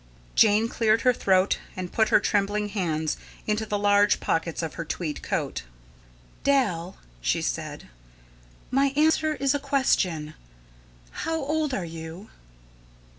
Jane cleared her throat and put her trembling hands into the large pockets of her tweed coat. "Dal," she said; "my answer is a question. How old are you?"